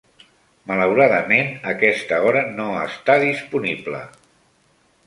Malauradament, aquesta hora no està disponible.